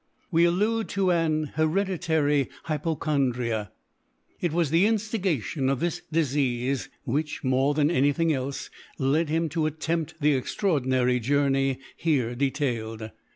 We allude to an hereditary hypochondria. It was the instigation of this disease which, more than any thing else, led him to attempt the extraordinary journey here detailed.